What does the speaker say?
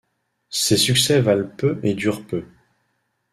Ces succès valent peu et durent peu.